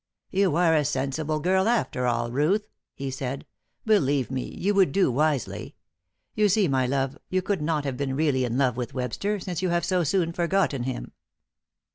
"You are a sensible girl after all, Ruth," he said. "Believe me, you would do wisely. You see my love, you could not have been really in love with Webster, since you have so soon forgotten him."